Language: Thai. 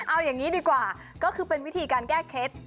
เอาอย่างนี้ดีกว่าก็คือเป็นวิธีการแก้เคล็ด